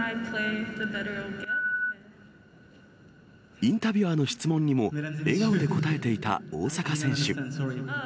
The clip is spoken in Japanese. インタビュアーの質問にも、笑顔で答えていた大坂選手。